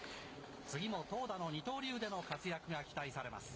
次も投打の二刀流での活躍が期待されます。